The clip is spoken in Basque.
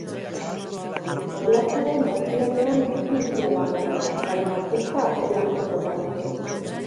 Oblastaren erdialdean Mosku hiria dago, baina ez da oblasteko parte.